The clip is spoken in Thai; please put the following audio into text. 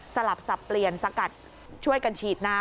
สลับสับเปลี่ยนสกัดช่วยกันฉีดน้ำ